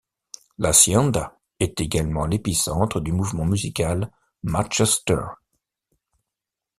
L'Haçienda est également l'épicentre du mouvement musical Madchester.